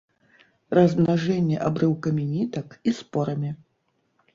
Размнажэнне абрыўкамі нітак і спорамі.